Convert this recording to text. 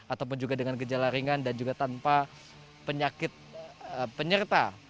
ataupun juga dengan gejala ringan dan juga tanpa penyakit penyerta